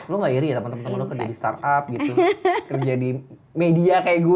lu gak iri ya teman teman lo kerja di startup gitu kerja di media kayak gue